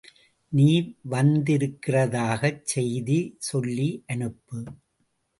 நீ வந்திருக்கிறதாகச் செய்தி சொல்லி அனுப்பு.